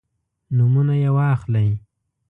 نومونه یې واخلئ.